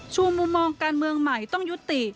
มุมมองการเมืองใหม่ต้องยุติ